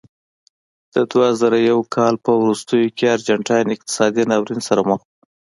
د دوه زره یو کال په وروستیو کې ارجنټاین اقتصادي ناورین سره مخ و.